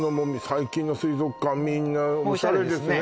最近の水族館みんなオシャレですね